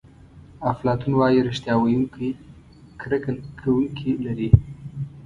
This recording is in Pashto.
افلاطون وایي ریښتیا ویونکی کرکه کوونکي لري.